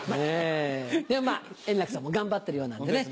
でもまぁ円楽さんも頑張ってるようなんでね